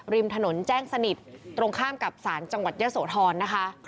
ริมถนนแจ้งสนิทตรงข้ามกับศาลจังหวัดเยอะโสธรนะคะ